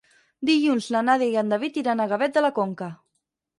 Dilluns na Nàdia i en David iran a Gavet de la Conca.